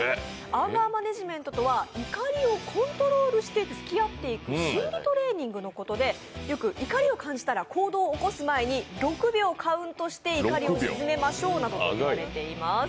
アンガーマネジメントとは怒りをコントロールしてつきあっていく心理トレーニングのことでよく怒りを感じたら行動を起こす前に６秒カウントして怒りを静めましょうなどといわれています。